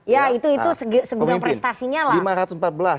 ya itu itu segera prestasinya lah